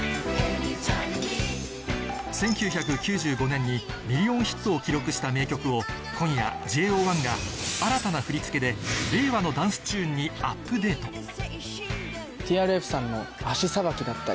１９９５年にミリオンヒットを記録した名曲を今夜ＪＯ１が新たな振り付けで令和のダンスチューンにアップデート僕たちの。